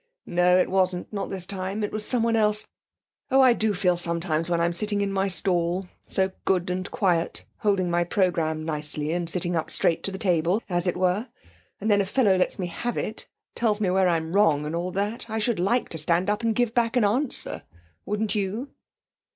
'No; it wasn't; not this time; it was someone else. Oh, I do feel sometimes when I'm sitting in my stall, so good and quiet, holding my programme nicely and sitting up straight to the table, as it were, and then a fellow lets me have it, tells me where I'm wrong and all that; I should like to stand up and give a back answer, wouldn't you?'